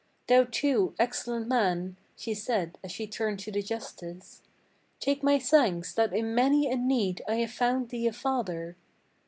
Thou, too, excellent man!" she said as she turned to the justice; "Take my thanks that in many a need I have found thee a father."